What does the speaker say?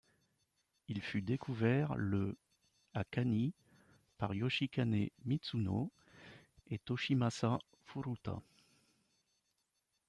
Il fut découvert le à Kani par Yoshikane Mizuno et Toshimasa Furuta.